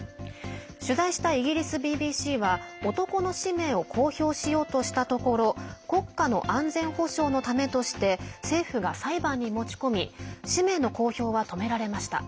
取材したイギリスＢＢＣは男の氏名を公表しようとしたところ国家の安全保障のためとして政府が裁判に持ち込み氏名の公表は止められました。